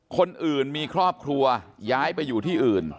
คนอื่นมีครอบครัวย้ายไปอยู่ที่อื่น